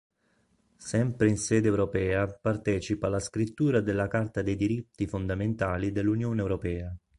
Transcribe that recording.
Sempre in sede europea partecipa alla scrittura della Carta dei diritti fondamentali dell'Unione europea.